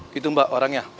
gitu mbak orangnya